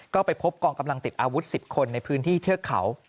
ก็ไปพบกองกำลังติดอาวุธ๑๐คนในพื้นที่เทือกเขา